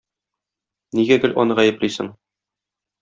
Нигә гел аны гаеплисең?